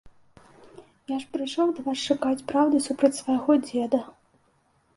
Я ж прыйшоў да вас шукаць праўды супраць свайго дзеда.